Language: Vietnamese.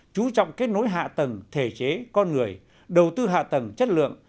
chú trọng kết nối hạ tầng thể chế con người đầu tư hạ tầng chất lượng